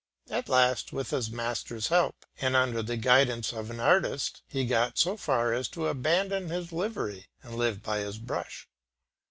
At last with his master's help and under the guidance of an artist he got so far as to abandon his livery and live by his brush.